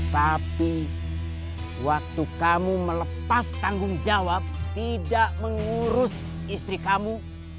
tapi waktu kamu melepas tanggung jawab tidak mengurus istri kamu